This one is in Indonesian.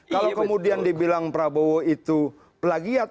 kalau kemudian dibilang prabowo itu pelagiat